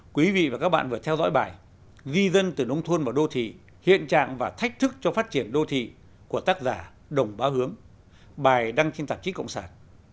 quý vị và các bạn vừa theo dõi bài di dân từ nông thôn vào đô thị hiện trạng và thách thức cho phát triển đô thị của tác giả đồng bá hướng bài đăng trên tạp chí cộng sản